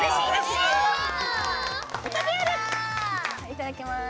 いただきます。